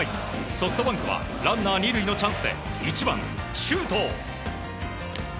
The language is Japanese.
ソフトバンクはランナー２塁のチャンスで１番、周東。